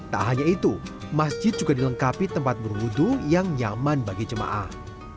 tak hanya itu masjid juga dilengkapi tempat berwudhu yang nyaman bagi jemaah